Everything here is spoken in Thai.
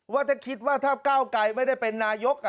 เพราะแต่คิดถ้าอักก้ายไม่ได้เป็นนายกอ่ะ